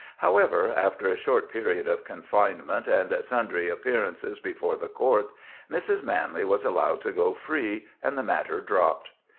However, after a short period of confinement, and sundry appearances before the court, Mrs. Manley was allowed to go free, and the matter dropped.